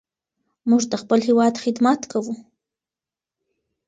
موږ د خپل هېواد خدمت کوو.